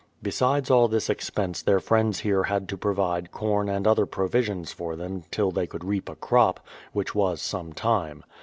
Besides all this expense their friends here had to provide corn and other provisions for them till they could reap a crop, which was some time.